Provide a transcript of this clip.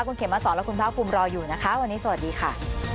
คุณเขมมาสอนและคุณภาคภูมิรออยู่นะคะวันนี้สวัสดีค่ะ